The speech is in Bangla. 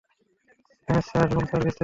হ্যাঁ, স্যার, রুম সার্ভিস থেকে।